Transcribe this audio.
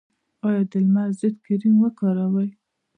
ایا د لمر ضد کریم کاروئ؟